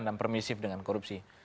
dan permissive dengan korupsi